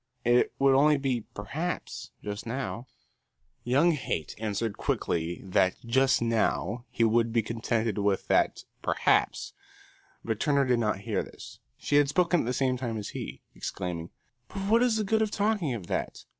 It would only be perhaps, just now." Young Haight answered quickly that "just now" he would be contented with that "perhaps"; but Turner did not hear this. She had spoken at the same time as he, exclaiming, "But what is the good of talking of that?